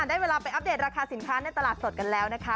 ได้เวลาไปอัปเดตราคาสินค้าในตลาดสดกันแล้วนะคะ